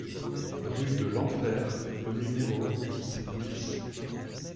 Rue de l'Enfer au numéro huit BIS